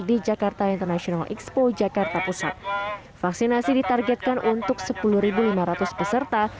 di jakarta international expo jakarta pusat vaksinasi ditargetkan untuk sepuluh lima ratus peserta